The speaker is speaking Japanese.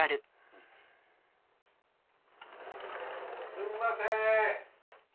すんませーん。